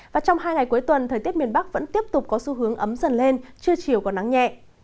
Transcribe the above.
và trong hai ngày cuối tuần thời tiết miền bắc vẫn tiếp tục có xu hướng ấm dần lên chưa chiều có nắng nhẹ